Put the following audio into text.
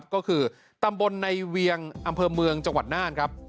ก็คือตำบลในเวียงอำเภอเมืองจังหวัดน่านครับ